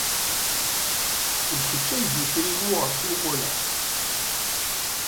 D kečč ay d itri wuɣur ttmuqquleɣ.